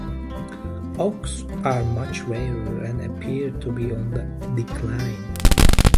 Oaks are much rarer and appear to be on the decline.